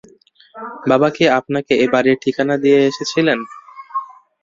বাবা কি আপনাকে এ-বাড়ির ঠিকানা দিয়ে এসেছিলেন?